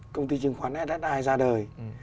công ty chứng khoán ssi ra đời